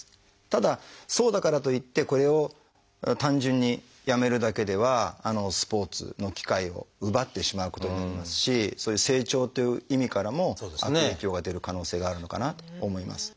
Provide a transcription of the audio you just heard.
ただそうだからといってこれを単純にやめるだけではスポーツの機会を奪ってしまうことになりますしそういう成長という意味からも悪影響が出る可能性があるのかなと思います。